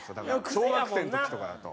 小学生の時とかだと。